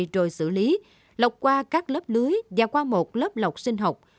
rồi xử lý lọc qua các lớp lưới và qua một lớp lọc sinh học